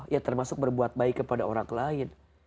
ya termasuk berbuat baik kepada orang lain